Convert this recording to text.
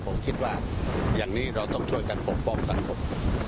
ผมคิดว่าอย่างนี้เราต้องช่วยกันปกป้องสังคม